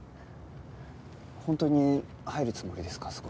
本当に入るつもりですか？